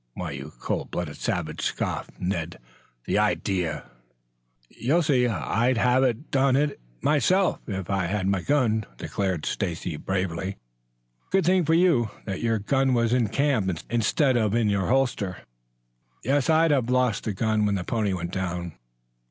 "Why, you cold blooded savage!" scoffed Ned. "The idea!" "You'll see. I'd have done it, myself, if I'd had my gun," declared Stacy bravely. "Good thing for you that your gun was in camp, instead of in your holster." "Yes; I'd have lost the gun when the pony went down.